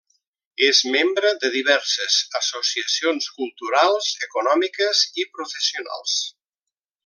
És membre de diverses associacions culturals, econòmiques i professionals.